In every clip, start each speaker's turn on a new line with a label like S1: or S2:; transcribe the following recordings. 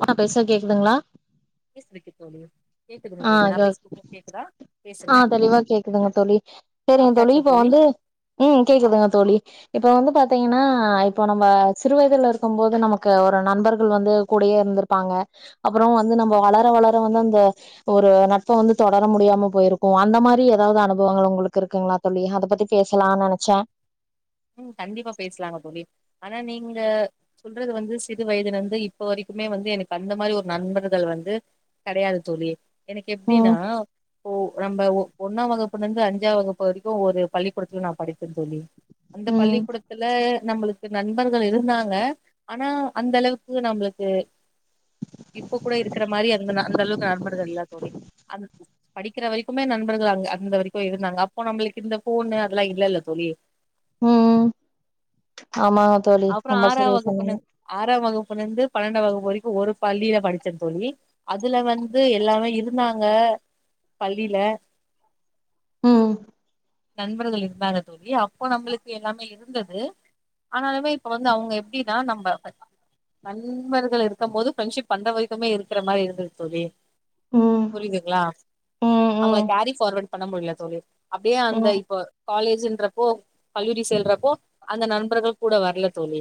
S1: ஆ நா பேசறது கேக்குதுங்ளா
S2: [unintelligible] தோழி கேக்குதுங்க தோழி
S1: ஆஹ்
S2: நா
S1: ஹ
S2: பேசுறது உங்களுக்கு கேக்குதா பேசுங்க
S1: ஆஹ் தெளிவா கேக்குதுங்க தோழி சரிங்க தோழி இப்ப வந்து உம் கேக்குதுங்க தோழி இப்போ வந்து பாத்தீங்கன்னா இப்போ நம்ம சிறு வயதுல இருக்கும் போது நமக்கு ஒரு நண்பர்கள் வந்து கூடயே இருந்திருப்பாங்க அப்றோ வந்து நம்ம வளர வளர வந்து அந்த ஒரு நட்ப வந்து தொடர முடியாம போயிருக்கும் அந்த மாரி ஏதாவது அனுபவங்கள் உங்களுக்கு இருக்குங்ளா தோழி அத பத்தி பேசலான்னு நெனைச்சே
S2: உம் கண்டிப்பா பேசலாங்க தோழி ஆனா நீங்க சொல்றது வந்து சிறு வயதுலருந்து இப்ப வரைக்குமே வந்து எனக்கு அந்த மாரி ஒரு நண்பர்கள் வந்து கெடையாது தோழி எனக்கு எப்படின்னா
S1: ம்
S2: ஒ நம்ப ஓ ஒண்ணா வகுப்புலர்ந்து அஞ்சாம் வகுப்பு வரைக்கு ஒரு பள்ளிக்கூடத்துல நா படித்தே தோழி அந்த
S1: ம்
S2: பள்ளிக்கூடத்துல நம்மளு இது நண்பர்கள் இருந்தாங்க ஆனா அந்த அளவுக்கு நம்மளுக்கு இப்ப கூட இருக்கிற மாரி அந்த அந்த அளவுக்கு நண்பர்கள் இல்ல தோழி அது படிக்கிற வரைக்குமே நண்பர்கள் அங்க அந்த வரைக்கும் இருந்தாங்க அப்போ நம்மளுக்கு இந்த ஃபோனு அதெல்லா இல்லல்ல தோழி
S1: உம் ஆமாங்க தோழி ரொம்ப சரியா சொன்னீங்க
S2: ப்புல இருந்து பன்னெண்டா வகுப்பு வரைக்கு ஒரு பள்ளியில படிச்சே தோழி அதுல வந்து எல்லாமே இருந்தாங்க பள்ளியில
S1: உம்
S2: நண்பர்கள் இருந்தாங்க தோழி அப்போ நம்மளுக் எல்லாமே இருந்தது ஆனாலுமே இப்ப வந்து அவங்க எப்டின்னா நம்ப நண்பர்கள் இருக்கும் போது ஃபிரெண்ட்ஷிப் பண்ற வரைக்குமே இருக்கிற மாரி இருந்தது தோழி
S1: ம்
S2: புரியுதுங்களா
S1: ம்
S2: அவங்கள
S1: ம்
S2: கேரி ஃபார்வர்ட் பண்ண முடியல தோழி அப்டியே அந்த
S1: ம்
S2: இப்போ காலேஜூன்றப்போ கல்லூரி செல்றப்போ அந்த நண்பர்கள் கூட வரல தோழி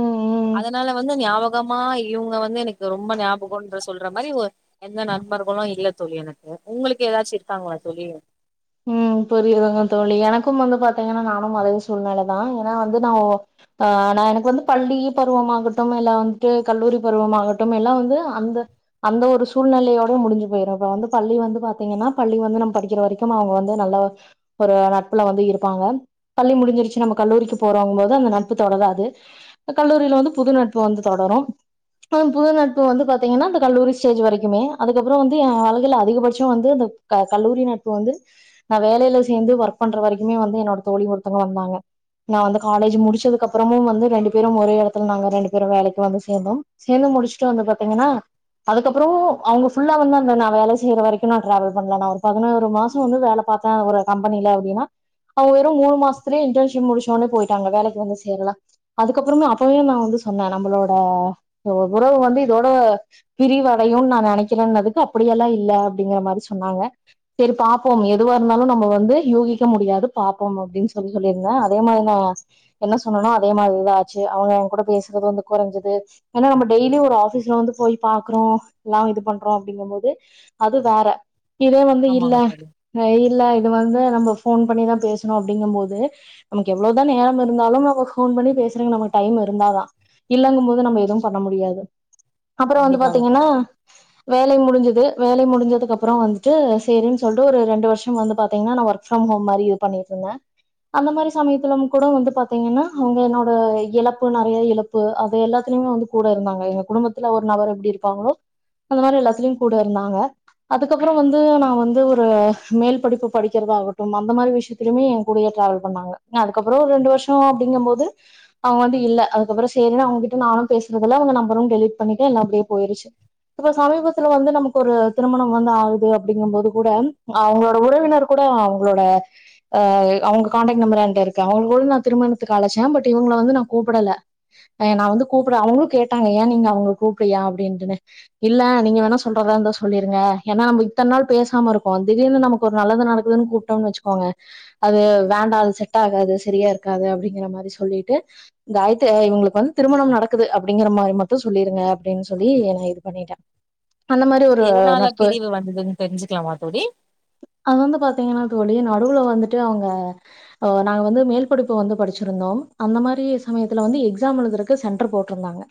S1: ம் ம்
S2: அதனால வந்து ஞாபக கமா இவுங்க வந்து எனக்கு ரொம்ப ஞாபகோன்ற சொல்ற மாரி ஒரு எந்த நண்பர்களு இல்ல தோழி எனக்கு உங்களுக்கு ஏதாச்சு இருக்காங்களா தோழி
S1: உம் புரியுதுங்க தோழி எனக்கும் வந்து பாத்தீங்கன்னா நானும் அதே சூழ்நெலைதா ஏன்னா வந்து நா ஆ நா எனக்கு வந்து பள்ளி பருவமாகட்டும் இல்ல வந்துட்டு கல்லூரி பருவமாகட்டும் எல்லா வந்து அந்த அந்த ஒரு சூழ்நிலையோட முடிஞ்சு போயிரு இப்ப வந்து பள்ளி வந்து பாத்தீங்கன்னா பள்ளி வந்து நம்ம படிக்கிற வரைக் த்தமா அவுங்க வந்து நல்ல ஒரு நட்புல வந்து இருப்பாங்க பள்ளி முடிஞ்சிருச்சு நம்ம கல்லூரிக்கு போறோங்கும் போது அந்த நட்பு தொடராது அ கல்லூரியில வந்து புது நட்பு வந்து தொடரு புது புது நட்பு வந்து பாத்தீங்கன்னா இந்த கல்லூரி ஸ்டேஜ் வரைக்குமே அதுக்கப்புறோ வந்து என் வாழ்க்கையில அதிகபட்சோ வந்து இந்த க கல்லூரி நாட் இப்ப வந்து நா வேலையில சேந்து ஒர்க் பண்ற வரைக்குமே வந்து என்னோட தோழி ஒருத்தவங்க வந்தாங்க நா வந்து காலேஜ் முடிச்சதுக்கப்புறமு வந்து ரெண்டு பேரும் ஒரே எடத்துல நாங்க ரெண்டு பேரும் வேலைக்கு வந்து சேந்தோம் சேந்து முடிச்சுட்டு வந்து பாத்தீங்கன்னா அதுக்கப்புறமு அவுங்க ஃபுல்லா வந்து அந்த நா வேலை செய்ற வரைக்கும்லா டிராவல் பண்ல நா ஒரு பதினோ ரு மாசோ வந்து வேல பாத்தே ஒரு கம்பெனில அப்டின்னா அவுங்க வெறு மூணு மாசத்துலயே இன்டர்ன்ஷி முடிச்சோனே போயிட்டாங்க வேலைக்கு வந்து சேரல அதுக்கப்புறமு அப்பவே நான் வந்து சொன்னே நம்பளோட ஒ உறவு வந்து இதோட பிரிவடையும்னு நா நெனைக்கிறேன்னதுக்கு அப்பிடியெல்லா இல்ல அப்டிங்கற மாரி சொன்னாங்க செரி பாப்போம் எதுவா இருந்தாலு நம்ம வந்து யூகிக்க முடியாது பாப்போம் அப்டின்னு சொல்லி சொல்லிருந்தே அதே மாரி நா என்ன சொன்னனோ அதே மாரிதா ஆச்சு அவுங்க என் கூட பேசுறது வந்து கொறைஞ்சுது ஏன்னா நம்ம டெய்லி ஒரு ஆஃபீஸ்ல வந்து போய் பாக்குறோ எல்லா இது பண்றோ அப்டிங்கும் போது அது வேற இது
S2: ஆமாங்க
S1: இல்ல
S2: தோழி
S1: நா இல்ல இது வந்து நம்ப ஃபோன் பண்ணிதா பேசணு அப்டிங்கும் போது நமக்கு எவ்ளோதா நேரம் இருந்தாலும் அவ ஃபோன் பண்ணி பேசுறக்கு நமக்கு டைம் இருந்தாதா இல்லைங்கும்போது நம்ப எதுவும் பண்ண முடியாது அப்புறோ வந்து
S2: கண்டிப்பாக
S1: பாத்தீங்கன்னா
S2: தோழி
S1: வேலை முடிஞ்சுது வே வேலை முடிஞ்சதுக்கு அப்றோ வந்துட்டு சேரின் சொல்ட்டு ஒரு ரெண்டு வருசம் வந்து பாத்தீங்கன்னா நா ஒர்க் ஃப்ரம் ஹோம் மாரி இது பண்ணிட்டுருந்தே அந்த மாரி சமயத்தில கூட வந்து பாத்தீங்கன்னா அவுங்க என்னோட அ இழப்பு நெறைய இழப்பு அது எல்லாத்திலயுமே வந்து கூட இருந்தாங்க எங்க குடும்பத்துல ஒரு நபர் எப்டி இருப்பாங்களோ அந்த மாரி எல்லாத்திலயும் கூட இருந்தாங்க அதுக்கப்புறம் வந்து நா நா வந்து ஒரு மேல் படிப்பு படிக்கிறதாகட்டும் அந்த மாரி விஷயத்துலையுமே என் கூடயே டிராவல் பண்ணாங்க ஆ அதுக்கப்புறோ ஒரு ரெண்டு வருஷோ அப்டிங்கும் போது அவுங்க வந்து இல்ல அதுக்கப்புறோ சேரினு அவுங்ககிட்ட நானும் பேசுறதுல அவுங்க நம்பரும் டெலிட் பண்ணிட்ட எல்லா அப்டியே போயிருச்சு இப்ப சமீபத்துல வந்து நமக்கு ஒரு திருமணம் வந்து ஆகுது அ அப்டிங்கும்போது கூட அவுங்களோட உறவினர் கூட அவுங்களோட ஆ அவுங்க காண்டெக்ட் நம்பர் என்ட்ட இருக்கு அவுங்கள கூட நா திருமணத்துக்கு அழைச்சே பட் இவுங்கள வந்து நா கூப்படல ஆ நா வந்து கூப்ட அவுங்களு கேட்டாங்க ஏன் நீங்க அவுங்கள கூப்டலயா அப்டின்ட்னு இல்ல நீங்க வேண்ணா சொல்றதா இருந்தா சொல்லிருங்க ஏன்னா நம்ப இப் இத்தன் நாள் பேசாம இருக்கோ திடீர்னு நமக்கு ஒரு நல்லது நடக்குதுன்னு கூப்ட்டோம்னு வச்சுக்கோங்க அது வேண்டா அது செட் ஆகாது சரியா இருக்காது அப்டிங்கிற மாதிரி சொல்லிட்டு காயத்து இவுங்களுக்கு வந்து திருமணம் நடக்குது அப்டிங்கிற மாரி மட்டும் சொல்லிருங்க அப்டின்னு சொல்லி நான் இது பண்ணிட்டே அந்த மாரி ஒரு நட்பு
S2: எதுன்னு தெரிஞ்சுக்கலாமா தோழி
S1: அது வந்து பாத்தீங்கன்னா தோழி நடுவுல வந்துட்டு அவுங்க ஆ நாங்க வந்து மேல் படிப்பு வந்து படிச்சிருந்தோ அந்த மாரி சமயத்துல வந்து எக்சாம் எழுதுறக்கு சென்டர் போட்ருந்தாங்க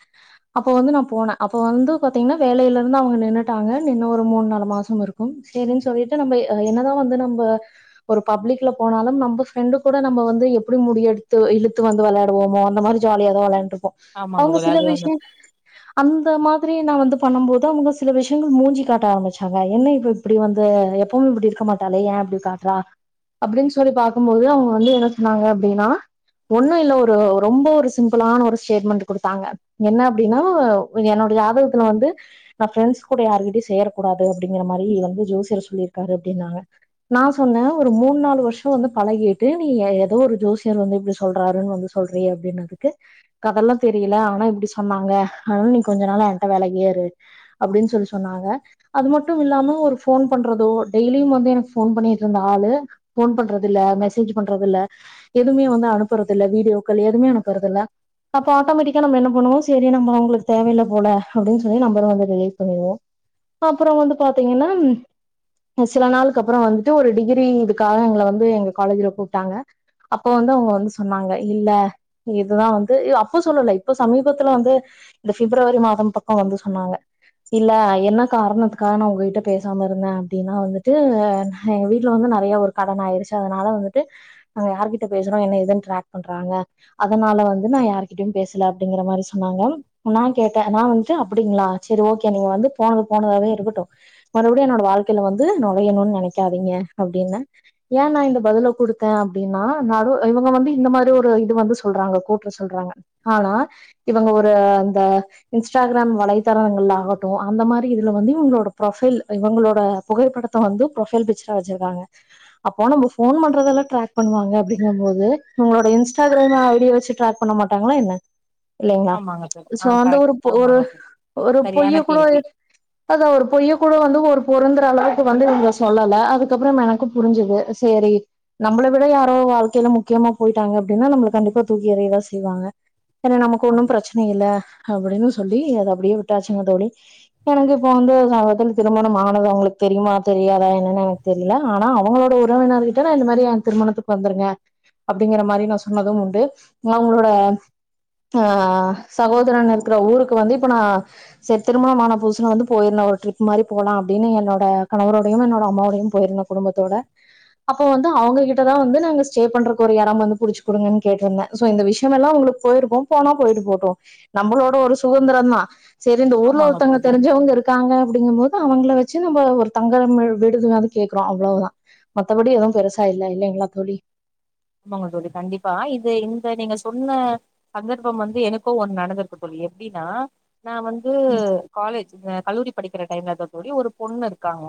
S1: அப்ப வந்து நான் போனே அப்ப வந்து பாத்தீங்கன்னா வேலையில இருந்து அவுங்க நின்னுட்டாங்க நின்னு ஒரு மூணு நாலு மாச ச்சும் இருக்கும் சேரின்னு சொல்லிட்டு நம்ப ஆ என்னதா வந்து நம்ப ஒரு பப்ளிக்ல போனாலு நம்ம ஃப்ரெண்டு கூட நம்ப வந்து எப்படி முடி எடுத்து இழுத்து வந்து வெளையாடுவோமோ அந்த மாரி ஜாலியாதா வெளையாண்ட்ருப்
S2: ஆமாங்க
S1: அவுங்க
S2: தோழி
S1: சில
S2: அது வந்து
S1: விஷயம் அந்த மாதிரி நா வந்து பண்ணும் போது அவுங்க சில விஷயங்கள் மூஞ்சிய காட்ட ஆரம்பிச்சாங்க அ என்ன இப்ப இப்டி வந்து எப்பவு இப்டி இருக்க மாட்டாளே ஏ இப்டி காட்றா அப்டின்னு சொல்லி பாக்கும்போது அவங்க வந்து என்ன சொன்னாங்க அப்டினா ஒண்ணு இல்ல ஒரு ரொம்ப ஒரு சிம்பிளான ஒரு ஸ்டேட்மென்டு கொடுத்தாங்க என்ன அப்டின்னா என்னுடைய ஜாதகத்துல வந்து நா ஃபிரெண்ட்ஸ் கூட யார்கிட்டயு சேரக்கூடாது து அப்டிங்கிற மாரி வந்து ஜோசியர் சொல்லிருக்காரு அப்டின்னாங்க நா சொன்னே ஒரு மூணு நாலு வருஷோ வந்து பழகிட்டு நீ ஏதோ ஒரு ஜோசியர் வந்து இப்டி சொல்றாருன்னு வந்து சொல்றியே அப்டினதுக்கு கதெல்லாம் தெரியல ஆனா இப்டி சொன்னாங்க அதனால நீ கொஞ்ச நாளா என்ட வெலகியே இரு அப்டின்னு சொல்லி சொன்னாங்க அது மட்டும் இல்லாம ஒரு ஃபோன் பண்றதோ டெய்லியும் வந்து எனக்கு ஃபோன் பண்ணிட்டு இருந்த ஆளு ஃபோன் பண்றது இல்ல மெசேஜ் பண்றது இல்ல எதுவுமே வந்து அனுப்புறது இல்ல வீடியோக்கள் எதுவுமே அனுப்புறதுல்ல அப்ப ஆட்டோமேட்டிக்கா நம்ம என்ன பண்ணுவோ செரி நம்ம அவுங்களுக்கு தேவையில்ல போல அப்டின்னு சொல்லி நம்பர வந்து டெலிட் பண்ணிடுவோ ப்ப அப்புறோ வந்து பாத்தீங்கன்னா அ சில நாளுக்கு அப்புற வந்துட்டு ஒரு டிகிரி இதுக்காக எங்கள வந்து எங்க காலேஜ்ல கூப்டாங்க அப்போ வந்து அவுங்க வந்து சொன்னாங்க இல்ல இதுதா வந்து அப்ப சொல்லல இப்ப சமீபத்துல வந்து இந்த பிப்ரவரி மாதம் பக்கம் வந்து சொன்னாங்க இல்ல என்ன காரணத்துக்காக நா உங்ககிட்ட பேசாம இருந்தே அப்டின்னு வந்துட்டு எங்க வீட்ல வந்து நெறைய ஒரு கடன் ஆயிருச்சு அதனால வந்துட்டு நாங்க யாருகிட்ட பேசுறோ என்ன ஏதுன்னு டிராக் பண்றாங்க அதனால வந்து நான் யாருகிட்டயு பேசல அப்டிங்கற மாரி சொன்னாங்க நா கேட்டே நா வந்துட்டு அப்டிங்களா சேரி ஓகே நீங்க வந்து போனது போனதாவே இருக்கட்டு மறுபடியு என்னோட வாழ்க்கையில வந்து நொழையணுன்னு நெனைக்காதீங்க அப்டின்னு ஏன் நா இந்த பதில குடுத்தே அப்டின்னா நா இது இவுங்க வந்து இந்த மாரி ஒரு இது வந்து சொல்றாங்க கூப்டு சொல்றாங்க ஆனா இவுங்க ஒரு இந்த இன்ஸ்டாகிராம் வலைத்தளங்கள் ஆகட்டு அந்த மா ந்து இதுல வந்து இவுங்களோட ப்ரொஃபைல் இவுங்களோட புகைப்படத்த வந்து ப்ரொஃபைல் பிக்சரா வச்சுருக்காங்க அப்ப நம்ம அபோன் பண்றதெல்லா டிராக் பண்ணுவாங்க அப்டிங்கும் போது உங்களோட இன்ஸ்டாகிராம் ஐடிய வச்சு டிராக் பண்ண மாட்டாங்களா என்ன இல்லைங்களா
S2: ஆமாங்க தோழி
S1: சோ
S2: ஆ
S1: அந்த
S2: கரெக்ட்
S1: ஒரு பொ ஒரு
S2: ஆமாங்க தோழி
S1: ஒரு
S2: சரியான
S1: பொய்ய கூட
S2: கேள்வி
S1: அதா ஒரு பொய்ய கூட வந்து ஒரு பொருந்தற அளவுக்கு வந்து இவங்க சொல்லல அதுக்கப்புறம் எனக்கும் புரிஞ்சுது சேரி நம்மள விட யாரோ வாழ்க்கையில முக்கியமா போயிட்டாங்க அப்டின்னா நம்மள கண்டிப்பா தூக்கி எறியதா செய்வாங்க ஏன்னா நமக்கு
S2: ஆம்
S1: ஒன்னும் பிரச்சன இல்ல அப்டின்னு சொல்லி அத அப்டியே விட்டாச்சுங்க தோழி எனக்கு இப்போ வந்து சமீபத்துல திருமணம் ஆனது அவுங்களுக்கு தெரியுமா தெரியாதா என்னன்னு எனக்கு தெரியல ஆனா அவுங்களோட உறவினருகிட்ட நா இந்த மாரி ஏன் திருமணத்துக்கு வந்துருங்க அப்டிங்கிற மாரி நான் சொன்னதும் உண்டு அவுங்களோட ஆ சகோதரன் இருக்கிற ஊருக்கு வந்து இப்ப நான் சரி திருமணமான புதுசு நா வந்து போயிருந்தே ஒரு ட்ரிப் மாரி போலா அப்டின்னு என்னோட கணவரோடையும் என்னோட அம்மாவோடையும் போயிருந்தே குடும்பத்தோட அப்போ வந்து அவுங்ககிட்டதா வந்து நாங்க ஸ்டே பண்றதுக்கு ஒரு எடம் வந்து புடிச்சு குடுங்கன்னு கேட்டிருந்தே சோ இந்த விஷயமெல்லா உங்களுக்கு போயிருக்கும் போனா போயிட்டு போவுட்டு நம்மளோட ஒரு சுதந்திரம்தா செரி இந்த ஊர்ல
S2: ஆமாங்க
S1: ஒருத்தங்க
S2: தோழி
S1: தெரிஞ்சவுங்க இருக்காங்க அப்டிங்கும்போது அவுங்கள வச்சு நம்ப ஒரு தங்குற வீட் விடுதி மாரி கேக்குறோ அவ்ளவுதான் மத்தபடி எதுவும் பெருசா இல்ல இல்லைங்களா தோழி
S2: ஆமாங்க தோழி கண்டிப்பா இது இந்த நீங்க சொன்ன சந்தர்ப்பம் வந்து எனக்கும் ஒண்ணு நடந்திருக்கு தோழி எப்டின்னா நா வந்து
S1: ம்
S2: காலேஜ் ஆ கல்லூரி படிக்கிற டைம்ல அது ஒரே ஒரு பொண்ணு இருக்காங்க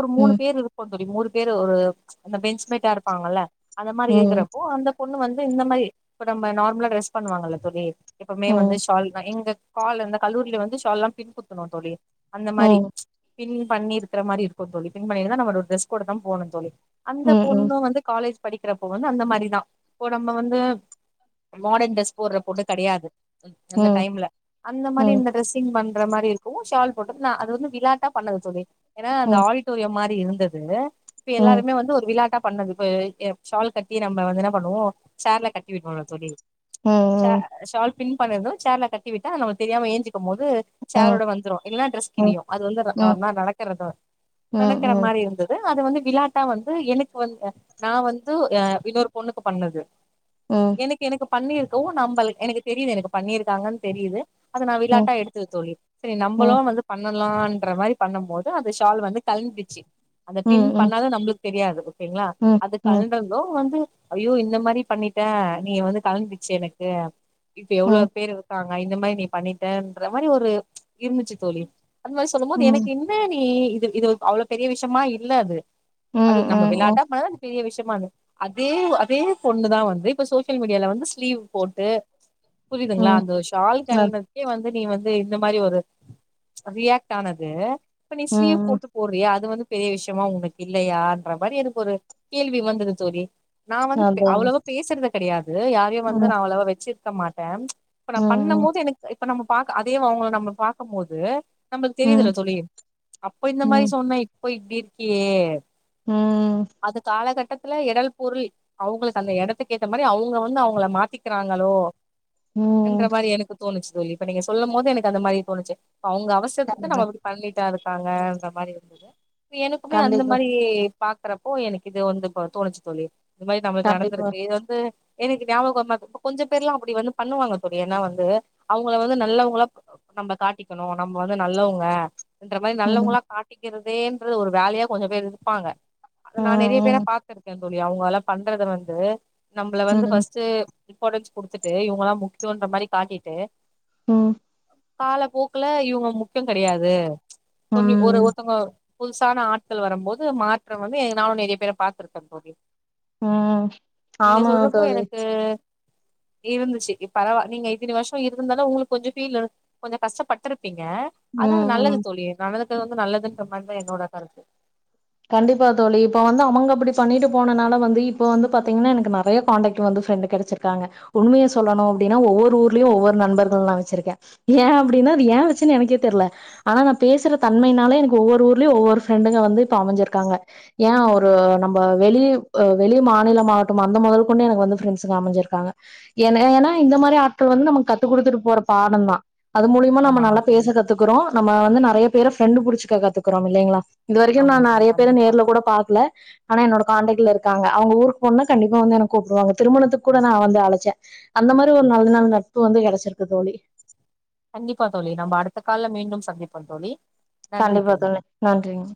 S2: ஒரு மூணு
S1: ம்
S2: பேரு இருக்கோ தோழி மூணு பேரு ஒரு அந்த பெஞ்ச்மேட்டா இருப்பாங்கல்ல மாரி
S1: ம்
S2: இருக்குறப்போ அந்த பொண்ணு வந்து இந்த மாரி இ நம்ம நார்மலா ட்ரெஸ் பண்ணுவாங்கல்ல தோழி எப்வுமே
S1: ம்
S2: வந்து ஷால் தான் எங்க காால் இந்தந்த கல்லூரியல வந்து ஷால் எல்லாம் பின்பத்துணும் தோழி அந்த மாரி
S1: ம்.
S2: பின் பண்ணியிருக்கிற மாரி இருக்கும் தோழி பின் பண்ணிருந்தா நம்ம இந்த ட்ரெஸ் கோட தான் போடணும் தோழி அந்த
S1: ம், ம்,
S2: பொண்ணும் வந்து காலேஜ் இருப்ப வந்து அந்த மாரிதான் இப்போ நம்ம வந்து மாடன் ட்ரெஸ் போடுற பொட்டு கெடையாது அந்த
S1: ம்,
S2: டைம்ல அந்த மாரி
S1: ம்,
S2: இந்த டரெஸ்ஸிங் பண் ற மாரி இருக்கும் ஷால் போட்டது நான அது வந்து விளாட்டா பண்ணது ஏன்ன
S1: ம்,
S2: அந்த
S1: ம்,
S2: ஆடிட்டோரியம் மாரி இருந்தது இப்ப
S1: ம்,
S2: எல்லாருமே வந்து ஒரு விளாட்ட பண்ணது போ ஷால் கட்டி நம்ம வந்து என்ன பண்ணுவோம்ஷர்ல கட்டி விடணும்ம் தோழி
S1: ம்,
S2: ச ல் பின் பண்ணிரும் சேல கட்டிவிட்ட நம தெரியாம ஏஞ்சக்கும் போது
S1: ம், ம்,
S2: சேலோ வந்து இல டஸ்
S1: ம்,
S2: கியும் அது வந்து
S1: ம்,
S2: ந நடக்கறத நடக்கற
S1: ம்,
S2: மாரி இருந்தது அத வந்து விளாட்டா வந்து எனக்கு வந்து நான வந்து அ இன்னொரு பொண்ணுக்கு பண்ணது
S1: ம், ம், ம்,
S2: எனக்கு எனக்கு பண்ணிருக்கவும் நம்ம எனக்கு தெரியுது எனக்கு பண்ணியிருக்காங்கன்னு தெரியுது அதது நான்
S1: ம்,
S2: விளையாட்டா எடுத்துக்க தோழி செரி
S1: ம், ம்,
S2: நம்மளும் வந்து பண்ண லாம் மாரி பண்ணும் போது அந்த ஷால் வந்து கழுசச்சு அந்த பின் பண்ணாத நம்மளுக்கு தெரியாது ங்களா
S1: ம்,
S2: அத கலந்தந்தோ வந்து ஐயோ இந்த மாதிரி பண்ணிட்டேன் நீ வந்து கலந்துடுச்சு எனக்கு இப்ப எவ்வளோ
S1: ம்,
S2: பேர் இருக்காங்க இந்த மாதிரி நீ பண்ணிட்டேன்ற மாரி ஒரு இருந்துச்சு தோழி அந்த மாரி சொல்லும் போது எனக்கு என்ன நீ இது அவ்வளவு பெரிய விஷயமா இல்ல அது அது நம்ம
S1: ம்,
S2: விளையாட்டா ப பெ விஷயமாது அதே அதே பொண்ணு தான் வந்து இப்ப சோசியல் மீடியால வந்து ஸ்லீவ் போட்டு புரியுதுங்களா
S1: ம்,
S2: அந்த ஷால்
S1: அத்
S2: கலண்ட்கே வந்து நீ வந்து இந்த மாரி ஒரு ரியாக்ட் ஆனது இப்ப நீ ஸ்லீவ்
S1: ம், அத் ம்.
S2: போட்டு போட்றியா அது வந்து பெரிய விஷயமா உங்களுக்கு இல்லயான்ற மாரி எனக்கு ஒரு கேள்வி வந்தது தோரி நான வந்து
S1: அதாங்க.
S2: அவ்வளோ பேசுறது தெரியாது இ யாரையும் வந்து
S1: ம்,
S2: நான் அவ்வளாவா வச்சு க்கமாட்டேன் இப்ப நான பண்ணும்
S1: ம்,
S2: போது எனக்கு இப்ப நம்ம பா அதே அவங்கள நம்ம பார்கும் போது நம்மளுக்கு தெரியுதல
S1: ம்,
S2: தோழி அப்ப இந்த மாரி
S1: ம்,
S2: சொன்னே போய் இப்டி இருக்கியே
S1: ம்
S2: அது காலகட்டத்துல இடல் பொருள் அவங்களுக்கு அந்த இடத்துக்கு ஏத்த மாதிரி அவங்க வந்து அவங்கள மாத்திக்கிறாங்களோ என்ற
S1: ம்.
S2: மாரி எனக்கு தோணுச்சு இப்ப நீங்க சொல்லும் போது எனக்கு அ மாரி தோணுச்சு ப்ப அவங்க அவசியத்துக்கு
S1: கண்டிப்பா,
S2: நம்ம இப்டி பண்ணிட்டா இரு காங்க அந்த மாரி இருந்தது எனக்குமே அந்த
S1: கண்டிப்பா,
S2: மாரி றப்போ எனக்கு இது வந்து தோணுச்சு தோழி இது மாரி நமக்கு
S1: கண்டிப்பா.
S2: நடந்திருக்கு இது வந்து எனக்கு ஞாபக கொஞ்சம் பேர் எல்லாம் அப்டி வந்து பண்ணுவாங்க தோழி ஏன்னா வந்து அவங்கள வந்து நல்லவங்களா நம்ம காட்டிக்கணும் நம்ம வந்து நல்லவங்க ன்ற மாரி
S1: ம்,
S2: நல்லவங்களா காட்டி இருக்கிறதேன்று ஒரு வேலயா கொஞ்சம் பேர் இருப்பாங்க அத நான நெறைய பேரை
S1: ம்,
S2: பா்த்திருக்கேன் தோழி அவங்கல்லாம் பண்றது வந்து நம்மள
S1: ம்,
S2: வந்து
S1: ம்,
S2: பஃர்ஸ்ட் இம்பார்ட்டன்ஸ் கொடுத்துட்டு இவங்கல்லாம் முக்கியம்ன்ற மாரி காட்டிட்டு
S1: ம்
S2: காலப்போக்குல இவங்க முக்கியம் கெடையாது கொஞ்சி ஒரு
S1: ம்,
S2: ஒருத்தங்க புதுசான ஆட்கள் வரும்போது மாற்றம் வந்து நானும் நிறைய பேரை பாத்துருக்கேன் தோழி
S1: உம்
S2: நீங்க
S1: ஆமாங்க
S2: சொல்றப்போ
S1: தோழி
S2: எனக்கு இருந்துச்சு பரவா நீங்க இத்தினி வருஷம் இருந்துருந்தாலும் உங்களுக்கு கொஞ்சம் ஃபீல் கொஞ்சம் கஷ்டப்பட்டு ப்பிங்க அதான் அது
S1: ம், ம்.
S2: நல்லது தோழி நம் வந்து நல்லதுன்ர மாறி தான் என்னோட கருத்து
S1: கண்டிப்பா தோழி இப்ப வந்து அவங்க அப்படி பண்ணிட்டு போனனால வந்து இப்ப வந்து பாத்தீங்கன்னா எனக்கு நறைய காண்டக்ட் வந்து ஃப்ரெண்டு் கெடைச்சிருக்காங்க உண்மையை சொல்லணு அப்டின்னா ஒவ்வொரு ஊர்லயு ஒவ்வொரு நண்பர்கள் நா வச்சிருக்கே ஏன் அப்டின்னா அது ஏன் வச்சேன்னு எனக்கே தெர்ல ஆனா நா பேசுற தன்மையினால எனக்கு ஒவ்வொரு ஊர்லயு ஒவ்வொரு ஃப்ரெண்டுங்க வந்து க்கு அமைஞ்சிருக்காங்க ஏன் ஒரு நம்ம வெளிய அ வெளி மாநிலமாகட்டும் அந்த முதல் கொண்டு எனக்கு வந்து ஃபிரெண்ட்ஸுங்க அமைஞ்சிருக்காங்க ஏ ஏன்னா இந்த மாரி ஆட்கள் வந்து நமக்கு கத்து குடுத்துட்டு போற பாடம்தா அது மூலியமா நம்ம
S2: ஆமாங்க
S1: நல்லா
S2: தோழி
S1: பேச கத்துக்கறோம் நம்ம வந்து நிறைய வேற ஃப்ரெண்டு புடிச்சக்க கத்துக்குறோம் இல்லங்களா இந்த நான்
S2: ஆமாங்க தோழி
S1: நறைய பேர்
S2: கண்டிப்பா
S1: நேர்ல கூட பாக்கல ஆனா என்னோட காண்டக்ட்ல இருக்கு இருக்காங்க அவங்க ஊருக்கு போனா கண்டிப்பா வந்து எனக்கு கூப்பிடுவாங்க திருமணத்துக்கு கூட நான் வந்து அழச்சேன் அந்த மாதிரி ஒரு நல்ல நாள் நட்பு வந்து கிடைச்சிருக்கு தோழி
S2: கண்டிப்பா தோழி நம்ம அடுத்த கால்ல மீண்டும் சந்திப்போம் தோழி
S1: கண்டிப்பா தோழி நன்றிங்